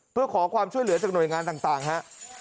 เพื่อขอความช่วยเหลือจากหน่วยงานต่างฮะ